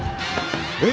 えっ？